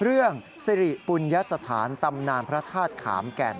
เรื่องสิริปุญยสถานตำนานพระธาตุขามแก่น